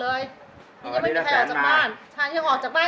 เลยเนี้ยมันถอยอยู่ออกเลย